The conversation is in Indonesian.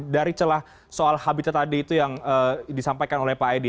dari celah soal habitat tadi itu yang disampaikan oleh pak edi